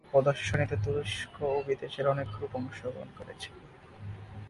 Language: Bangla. এ প্রদর্শনীতে তুরস্ক ও বিদেশের অনেক গ্রুপ অংশগ্রহণ করেছে।